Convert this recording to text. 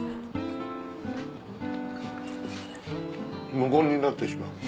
無言になってしまう。